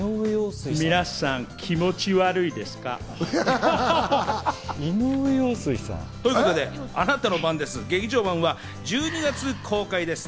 皆さん、井上陽水さん？ということで『あなたの番です劇場版』は１２月公開です。